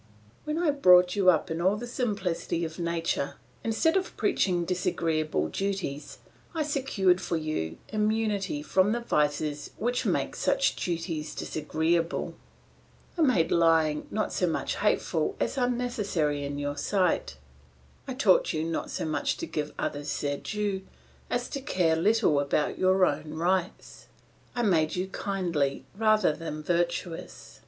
"When I brought you up in all the simplicity of nature, instead of preaching disagreeable duties, I secured for you immunity from the vices which make such duties disagreeable; I made lying not so much hateful as unnecessary in your sight; I taught you not so much to give others their due, as to care little about your own rights; I made you kindly rather than virtuous.